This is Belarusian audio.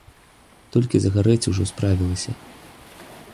Толькі загарэць ужо справілася.